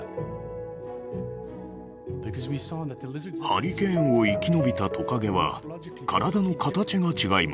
ハリケーンを生き延びたトカゲは体の形が違いました。